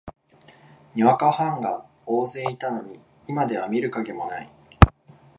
にわかファンが大勢いたのに、今では見る影もない